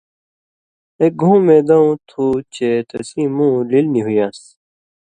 اک گھوں میدؤں تُھو چے تسی مُوں لیل نی ہُویان٘س